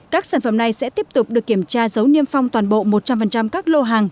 các sản phẩm này sẽ tiếp tục được kiểm tra giấu niêm phong toàn bộ một trăm linh các lô hàng